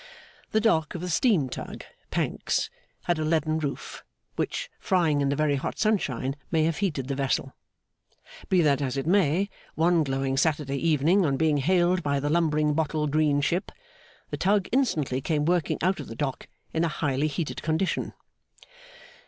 The Dock of the Steam Tug, Pancks, had a leaden roof, which, frying in the very hot sunshine, may have heated the vessel. Be that as it may, one glowing Saturday evening, on being hailed by the lumbering bottle green ship, the Tug instantly came working out of the Dock in a highly heated condition.